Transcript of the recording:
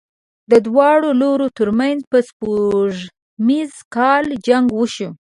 د دواړو لورو تر منځ په سپوږمیز کال جنګ وشو.